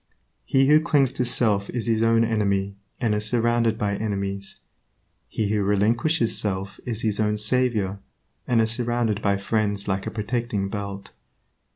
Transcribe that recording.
He who clings to self is his own enemy and is surrounded by enemies. He who relinquishes self is his own savior, and is surrounded by friends like a protecting belt.